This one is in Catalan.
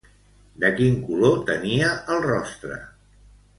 De quin color tenia el rostre?